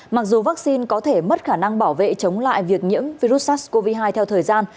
mặc dù vaccine có thể mất khả năng bảo vệ chống lại việc nhiễm virus sars cov hai theo thời gian